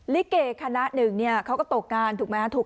ลิเกย์คณะหนึ่งเนี่ยเขาก็ตกงานถูกไหมถูก